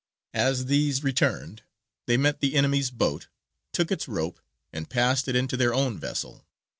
As these returned they met the enemy's boat, took its rope, and passed it into their own vessel.